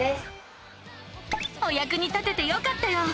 おやくに立ててよかったよ！